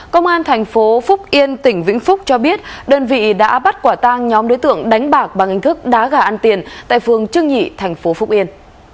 công an thành phố phúc yên tỉnh vĩnh phúc cho biết đơn vị đã bắt quả tang nhóm đối tượng đánh bạc bằng hình thức đá gà ăn tiền tại phường trương nhị thành phố phúc yên